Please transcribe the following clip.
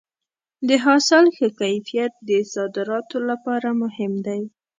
د حاصل ښه کیفیت د صادراتو لپاره مهم دی.